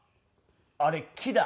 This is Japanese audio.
あれ木だ。